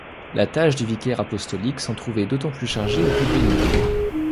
La tâche du vicaire apostolique s'en trouvait d'autant plus chargée et plus pénible.